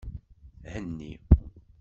Henni.